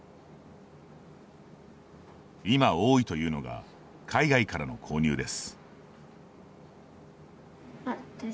今、多いというのが海外からの購入です。